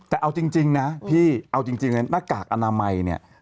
แต่เอาจริงนะพี่เอาจริงนะหน้ากากอนามัยเนี่ย